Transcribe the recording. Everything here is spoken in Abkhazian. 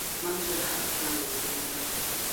Мамзар ҳақәӡаауеит зынӡа!